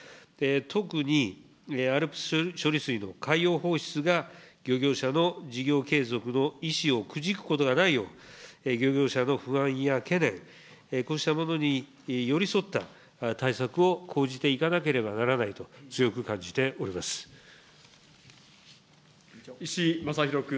特に、ＡＬＰＳ処理水の海洋放出が漁業者の事業継続の意思をくじくことがないよう、漁業者の不安や懸念、こうしたものに寄り添った対策を講じていかなければならないと、石井正弘君。